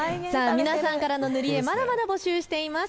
皆さんからの塗り絵、まだまだ募集しています。